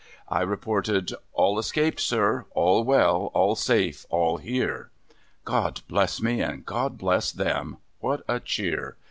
I reported, ' All escaped, sir ! All well, all safe, all here !' God bless me — and God bless them — what a cheer